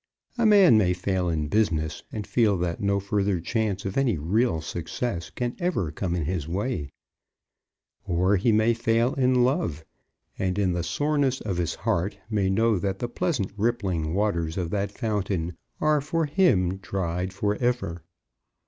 A man may fail in business, and feel that no further chance of any real success can ever come in his way; or he may fail in love, and in the soreness of his heart may know that the pleasant rippling waters of that fountain are for him dried for ever.